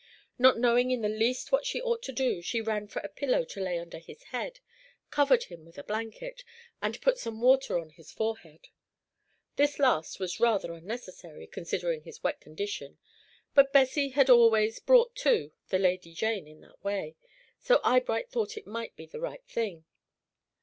Not knowing in the least what she ought to do, she ran for a pillow to lay under his head, covered him with a blanket, and put some water on his forehead. This last was rather unnecessary, considering his wet condition, but Bessie had always "brought to" the Lady Jane in that way, so Eyebright thought it might be the right thing.